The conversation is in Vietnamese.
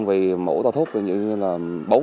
vì mẫu tàu thuốc